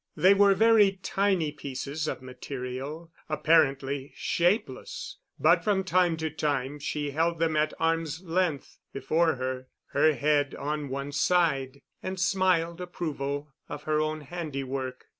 They were very tiny pieces of material, apparently shapeless, but from time to time she held them at arm's length before her, her head on one side, and smiled approval of her own handiwork.